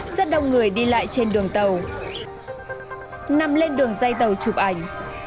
rất đông người đi lại trên đường tàu nằm lên đường dây tàu chụp ảnh